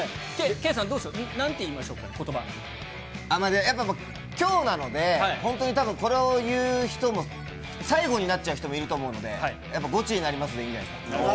圭さん、どうでしょう、やっぱきょうなので、本当にたぶん、これを言う人も最後になっちゃう人もいると思うので、やっぱ、ゴチになりますでいいんじゃないですか？